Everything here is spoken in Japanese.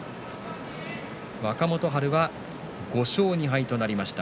若元春は５勝２敗となりました。